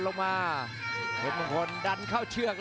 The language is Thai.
จังหวาดึงซ้ายตายังดีอยู่ครับเพชรมงคล